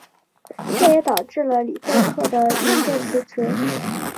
这也导致了里贝克的引咎辞职。